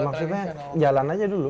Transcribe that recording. maksudnya jalan aja dulu